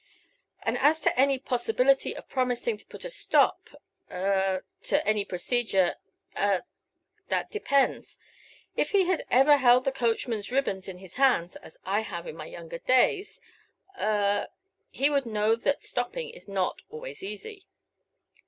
And as to any possibility of promising to put a stop a to any procedure a that depends. If he had ever held the coachman's ribbons in his hands, as I have in my younger days a he would know that stopping is not always easy."